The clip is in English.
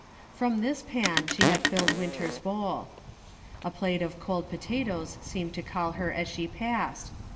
From this pan she had filled Winter's bowl. A plate of cold potatoes seemed to call her as sh*» passed.